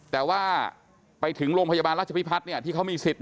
แต่ว่าไปถึงโรงพยาบาลราชพิพัฒน์ที่เขามีสิทธิ